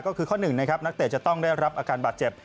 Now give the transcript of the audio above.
ก็คือข้อ๑นักเตะจะต้องได้รับอาการบาดเจ็บ